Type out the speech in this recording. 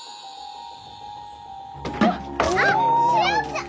あっしおちゃん！